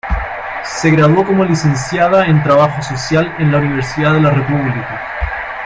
Se graduó como Licenciada en Trabajo Social en la Universidad de la República.